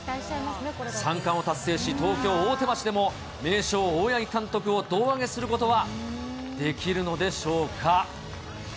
三冠を達成し、東京・大手町でも名将、大八木監督を胴上げすることはできるのでしょうか。